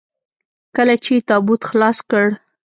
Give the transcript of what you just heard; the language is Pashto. کله چې يې تابوت خلاص کړ.